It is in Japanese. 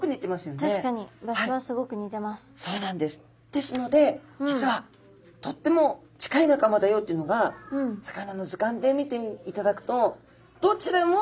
ですので実はとっても近い仲間だよっていうのが魚の図鑑で見ていただくとどちらも。